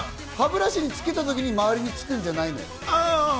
歯ブラシにつけたときに周りにつくんじゃないの？